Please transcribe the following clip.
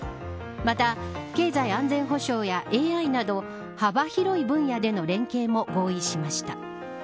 また経済安全保障やＡＩなど幅広い分野での連携も合意しました。